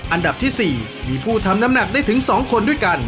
อันดับที่๔มีผู้ทำน้ำหนักได้ถึง๒คนด้วยกัน